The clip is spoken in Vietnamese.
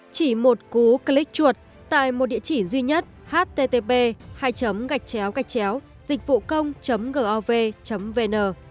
chỉ một cú click chuột tại một địa chỉ duy nhất http dịchvucong gov vn